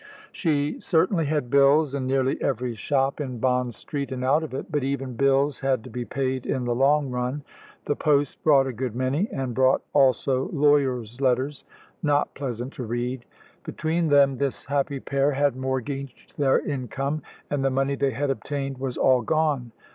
She certainly had bills in nearly every shop in Bond Street and out of it, but even bills had to be paid in the long run. The post brought a good many, and brought also lawyers' letters, not pleasant to read. Between them, this happy pair had mortgaged their income, and the money they had obtained was all gone.